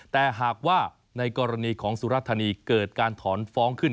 แต่หากว่าในกรณีของสุรธานีเกิดการถอนฟ้องขึ้น